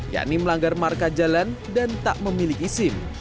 yakni melanggar marka jalan dan tak memiliki sim